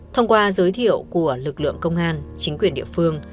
thông qua giới thiệu của lực lượng công an chính quyền địa phương